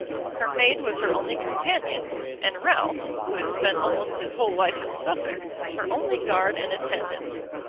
Her maid was her only companion, and Ralph, who had spent almost his whole life in Suffolk, her only guard and attendant.